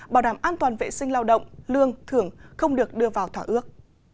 bảo đảm an toàn vệ sinh lao động lương thưởng không được đưa vào thỏa ước